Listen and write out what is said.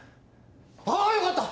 あよかった！